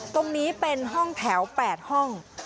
ตรงนี้เป็นห้องแถว๘ห้อง